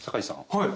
はい。